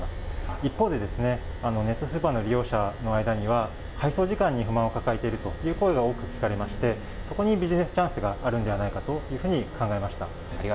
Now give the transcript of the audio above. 一方で、ネットスーパーの利用者の間には、配送時間に不満を抱えているという声が多く聞かれまして、そこにビジネスチャンスがあありがとうございます。